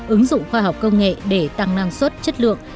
ứng dụng khoa học công nghệ để tăng năng suất chất lượng